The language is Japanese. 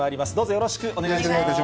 よろしくお願いします。